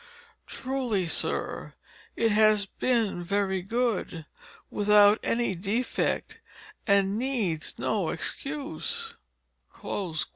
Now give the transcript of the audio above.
"Truly, Sir, it has been very good, without any defect, and needs no excuse."